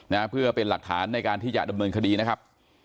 นะฮะเพื่อเป็นหลักฐานในการที่จะดำเนินคดีนะครับ